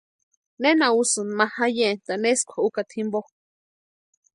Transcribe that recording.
¿Nena úsïni ma jayentani eskwa ukata jimpo?